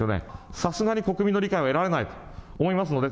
さすがに国民の理解を得られないと思いますので。